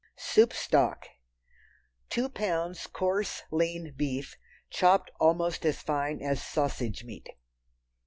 Soup Stock. Two pounds coarse lean beef, chopped almost as fine as sausage meat.